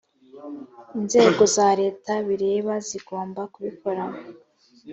inzego za leta bireba zigomba kubikora